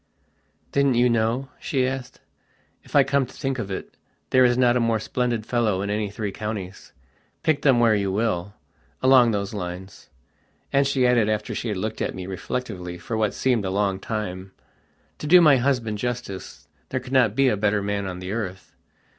"Didn't you know?" she asked. "If I come to think of it there is not a more splendid fellow in any three counties, pick them where you willalong those lines." And she added, after she had looked at me reflectively for what seemed a long time: "To do my husband justice there could not be a better man on the earth.